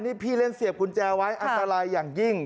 นี่พี่เล่นเสียบกุญแจไว้อันตรายอย่างยิ่ง